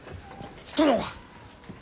殿は！？